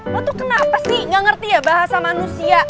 lo tuh kenapa sih nggak ngerti ya bahasa manusia